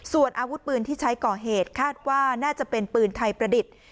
ส่วนอาวุธปืนที่ใช้ก่อเหตุคาดว่าน่าจะเป็นปืนไทยประดิษฐ์